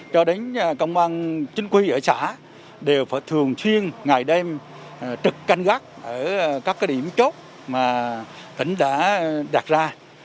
cho đến công an chính quy ở xã đều phải thường chuyên ngày đêm trực canh gắt ở các cái điểm chốt mà tỉnh đã đặt ra